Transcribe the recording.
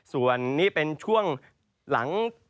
ส่วนนี้เป็นช่วงหลัง